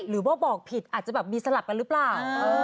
หรือว่าบอกผิดอาจจะแบบมีสลับกันหรือเปล่า